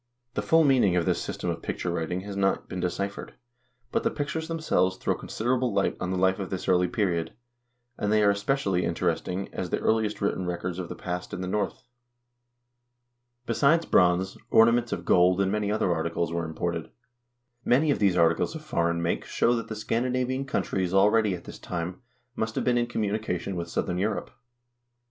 The full meaning of this system of picture writing has not been deciphered, but the pictures themselves throw considerable light on the life of this early period, and they are especially interesting as the earliest written records of the past in the North. PLATE II «A MP —J *Ws =[ iJ 1 I" W*^ 1 feii^Sfs Rock Tracing in Bohuslen. SCANDINAVIA IN PREHISTORIC TIMES 15 Besides bronze, ornaments of gold and many other articles were imported. Many of these articles of foreign make show that the Scandinavian countries already at this time must have been in communication with southern Europe.